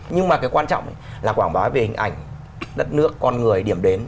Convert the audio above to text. nhưng mà cái quan trọng là quảng bá về hình ảnh đất nước con người điểm đến